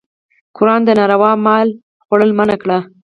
قرآن د ناروا مال خوړل منع کړي.